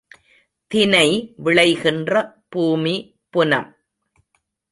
தினை விளைகின்ற பூமி புனம்.